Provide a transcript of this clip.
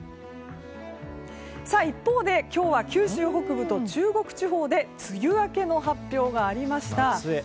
一方で今日は九州北部と中国地方で梅雨明けの発表がありました。